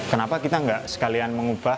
kenapa kita nggak sekalian mengubah